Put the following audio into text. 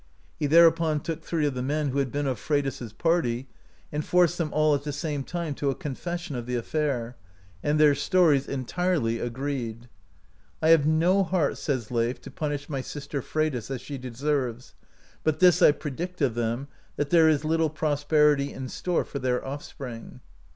He there upon lock three of the men, who had been of Freydis' party, and forced them all at the same time to a confession of the affair, and their stories entirely agreed, "I have no heart," says Leif, "to punish my sister, Freydis, as she deserves, but this I predict of them, that there is little prosperity in store for their offspring."